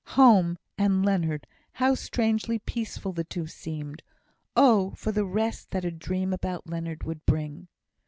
Home, and Leonard how strangely peaceful the two seemed! Oh, for the rest that a dream about Leonard would bring!